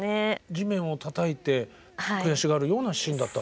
地面をたたいてくやしがるようなシーンだった。